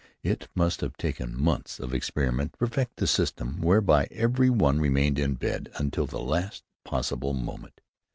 It must have taken months of experiment to perfect the system whereby every one remained in bed until the last possible moment.